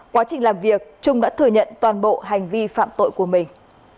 quá trình làm việc trung đã thừa nhận toàn bộ hành vi phạm tội của mình